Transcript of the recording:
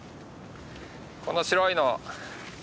この白いの。